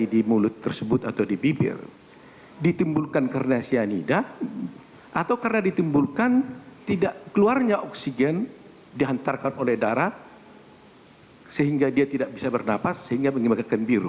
di mulut tersebut atau di bibir ditimbulkan karena cyanida atau karena ditimbulkan tidak keluarnya oksigen dihantarkan oleh darah sehingga dia tidak bisa bernafas sehingga menyebabkan biru